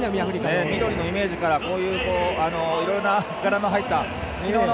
緑のイメージからいろんな柄の入ったような。